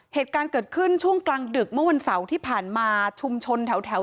เหตุการณ์เกิดขึ้นช่วงกลางดึกเมื่อวันเสาร์ที่ผ่านมาชุมชนแถว